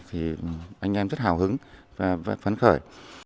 thì anh em rất hào hứng và phấn khởi